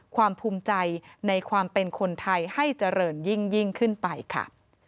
ภูมิใจในความเป็นคนไทยให้เจริญยิ่งขึ้นไปค่ะ